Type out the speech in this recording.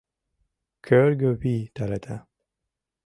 Кӧргӧ вий тарата.